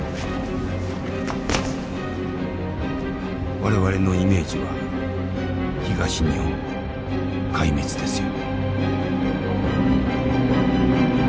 「我々のイメージは東日本壊滅ですよ」。